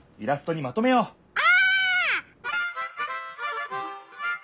お！